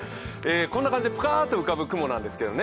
こんな感じでぷかーっと浮かぶ雲なんですけどね